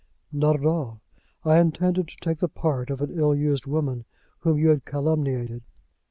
"Not at all; I intended to take the part of an ill used woman whom you had calumniated."